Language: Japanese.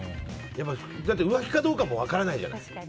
だって浮気かどうかも分からないじゃない。